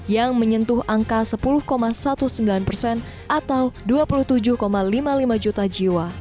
yang menyentuh angka sepuluh sembilan belas persen atau dua puluh tujuh lima puluh lima juta jiwa